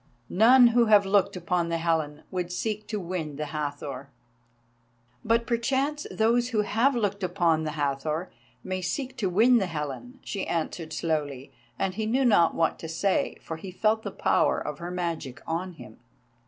None who have looked upon the Helen would seek to win the Hathor." "But, perchance, those who have looked upon the Hathor may seek to win the Helen," she answered slowly, and he knew not what to say, for he felt the power of her magic on him.